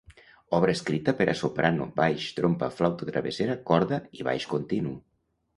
Obra escrita per a soprano, baix, trompa, flauta travessera, corda i baix continu.